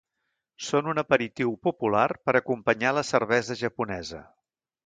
Són un aperitiu popular per acompanyar a la cervesa japonesa.